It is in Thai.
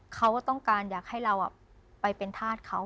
เขาก็ต้องการอยากให้เราไปเป็นธาตุเขา